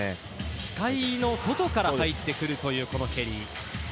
視界の外から入ってくるという、この蹴り。